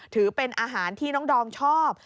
ถือเป็นอาหารที่น้องดอมชอบ